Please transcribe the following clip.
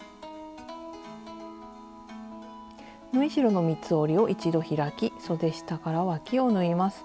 縫い代の三つ折りを一度開きそで下からわきを縫います。